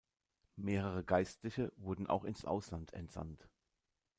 Mehrere Geistliche wurden auch ins Ausland entsandt.